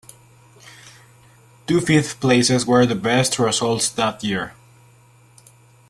Two fifth places were the best results that year.